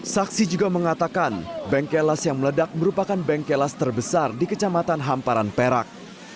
saksi juga mengatakan bengkelas yang meledak merupakan bengkelas terbesar di kecamatan hamparan perak